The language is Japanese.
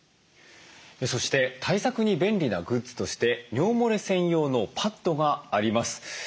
そして対策に便利なグッズとして尿もれ専用のパッドがあります。